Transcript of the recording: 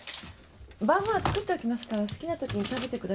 晩ご飯作っておきますから好きなときに食べてくださいね。